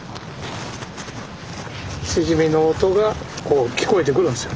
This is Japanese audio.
しじみの音が聞こえてくるんですよ